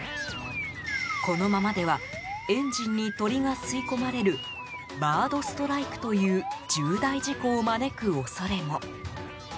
このままではエンジンに鳥が吸い込まれるバードストライクという重大事故を招く恐れも。